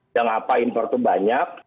yang apa impor tuh banyak